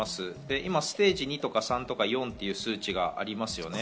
今ステージ２とか３とか４という数字がありますよね。